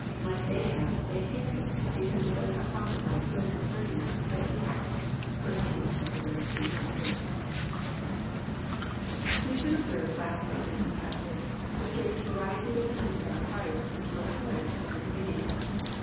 — ^Like Ahab, they hate it, " because it does not prophesy good concerning them, but evil." (1 Kingg^xxxii. 8.) We should observe, lastly, in this passage, the strange vor riety of opinions about Christ, which were current from the beginning.